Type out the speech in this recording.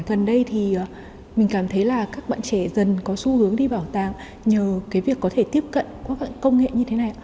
bản thân đây thì mình cảm thấy là các bạn trẻ dần có xu hướng đi bảo tàng nhờ cái việc có thể tiếp cận các bạn công nghệ như thế này